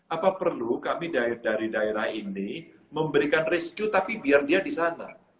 apa perlu kami dari daerah ini memberikan rescue tapi biar dia di sana